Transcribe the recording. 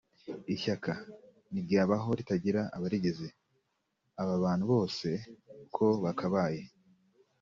Ishyaka ntiryabaho ritagira abarigize; aba bantu bose uko bakabaye